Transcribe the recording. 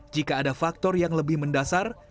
jika ada faktor yang lebih mendasar